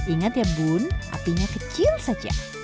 ingat ya bun apinya kecil saja